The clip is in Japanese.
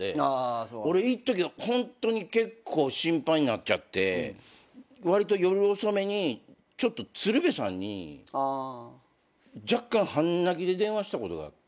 俺いっときホントに結構心配になっちゃってわりと夜遅めにちょっと鶴瓶さんに若干半泣きで電話したことがあって。